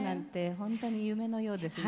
本当に夢のようですね。